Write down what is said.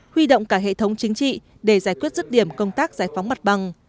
huy động cả hệ thống chính trị để giải quyết rứt điểm công tác giải phóng mặt bằng